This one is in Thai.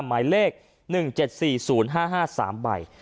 หมายเลข๑๗๔๐๕๕๓ใบ